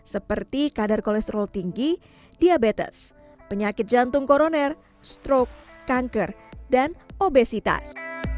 seperti kadar kolesterol tinggi diabetes penyakit jantung koroner stroke kanker dan obesitas